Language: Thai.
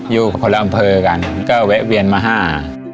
อยู่คนละอำเภอการก็เว๊ยนมาห้า